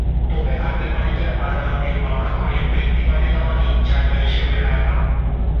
তবে আগের মালিক আদালতে মামলা করে ব্যক্তিমালিকানাধীন জায়গা হিসেবে রায় পান।